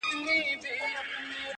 له تعلیم سره علاقه مه غواړئ